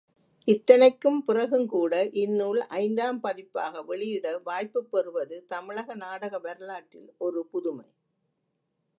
இத்தனைக்கும் பிறகும்கூட இந்நூல் ஐந்தாம் பதிப்பாக வெளியிட வாய்ப்புப் பெறுவது தமிழக நாடக வரலாற்றில் ஒரு புதுமை!